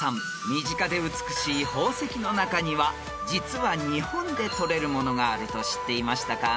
身近で美しい宝石の中には実は日本で採れるものがあると知っていましたか？］